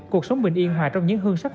cuộc sống bình yên hòa trong những hương sắc